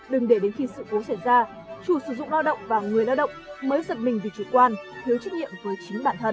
đừng để đến khi sự cố xảy ra chủ sử dụng lao động và người lao động mới giật mình vì chủ quan thiếu trách nhiệm với chính bản thân